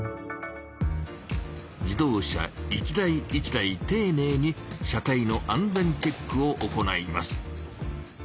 自動車一台一台ていねいに車体の安全チェックを行います。